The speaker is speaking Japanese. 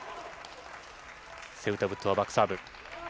セウタブットはバックサーブ。